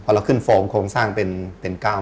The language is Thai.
พอเราขึ้นฟอร์มคงสร้างเป็น๙เมตรแล้ว